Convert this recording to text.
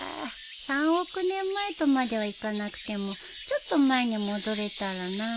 ３億年前とまではいかなくてもちょっと前に戻れたらな。